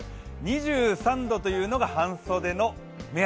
２３度というのが半袖の目安。